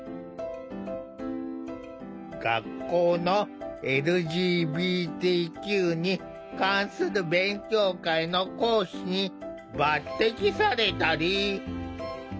学校のＬＧＢＴＱに関する勉強会の講師に抜てきされたり。